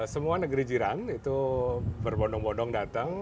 semua negeri jiran itu berbodong bodong datang